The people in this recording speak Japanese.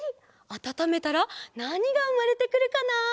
あたためたらなにがうまれてくるかな？